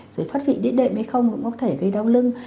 rồi thoát vị địa đệm hay không cũng có thể gây đau lưng